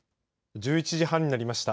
１１時半になりました。